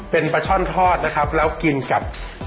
เป็นปลาช่อนทอดนะครับแล้วกินกับ